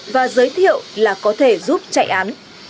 và giới thiệu là có thể giúp chạy án